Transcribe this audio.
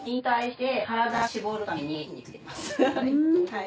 はい。